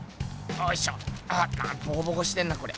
おいしょボコボコしてんなこれ。